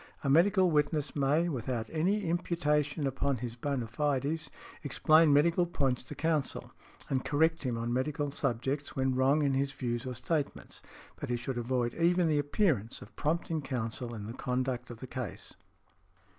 "A medical witness may, without any imputation upon his bona fides, explain medical points to counsel, and correct him on medical subjects, when wrong in his views or statements, but he should avoid even the appearance of prompting counsel in the conduct of the case."